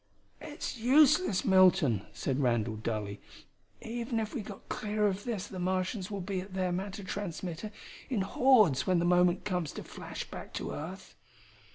"It's useless, Milton," said Randall dully. "Even if we got clear of this the Martians will be at their matter transmitter in hordes when the moment comes to flash back to earth."